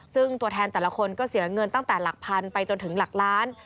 ซึ่งตัวแทนแต่ละคนก็เสียเงินตั้งแต่หลักพันไปจนถึงหลักล้าน